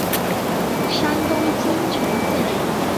山东青城县人。